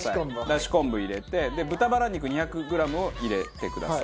出汁昆布入れて豚バラ肉２００グラムを入れてください。